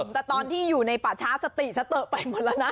แต่ตอนที่อยู่ในป่าช้าสติซะเตอะไปหมดแล้วนะ